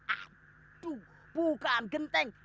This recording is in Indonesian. aduh bukan genteng